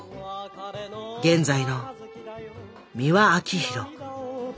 現在の美輪明宏。